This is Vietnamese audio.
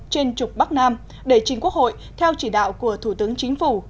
trên trục bắc nam để chính quốc hội theo chỉ đạo của thủ tướng chính phủ